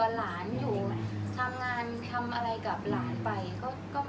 อันไหนที่มันไม่จริงแล้วอาจารย์อยากพูด